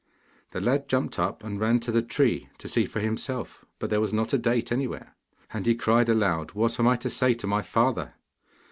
The lad jumped up and ran to the tree to see for himself, but there was not a date anywhere. And he cried aloud, 'What am I to say to my father?